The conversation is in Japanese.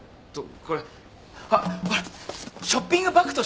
これあっこれショッピングバッグとして？